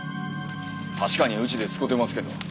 確かにうちで使てますけど。